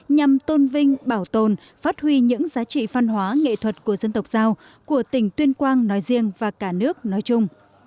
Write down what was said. nhằm tôn vinh bảo tồn phát huy những giá trị văn hóa nghệ thuật của dân tộc giao của tỉnh tuyên quang nói riêng và cả nước nói chung